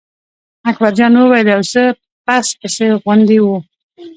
اکبر جان وویل: یو څه پس پسي غوندې و.